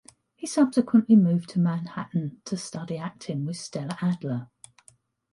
He subsequently moved to Manhattan to study acting with Stella Adler.